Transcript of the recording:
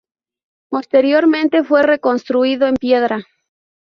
Posteriormente fue reconstruido en piedra.